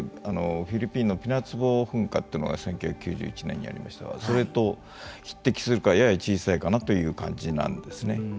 フィリピンのピナツボ噴火というのが１９９１年にありましたがそれと匹敵するかやや小さいかなという感じなんですよね。